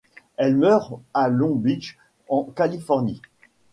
Elle meurt à Long Beach en Californie.